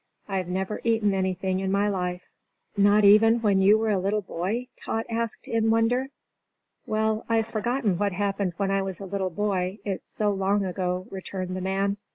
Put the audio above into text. I've never eaten anything in my life." "Not even when you were a little boy?" Tot asked, in wonder. "Well, I've forgotten what happened when I was a little boy, it's so long ago," returned the man.